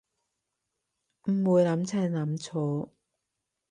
唔會諗清諗楚